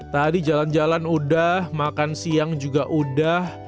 tadi jalan jalan udah makan siang juga udah